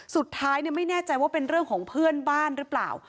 สุดท้ายไม่แน่ใจว่าเป็นเรื่องของเพื่อนบ้านหรือเปล่า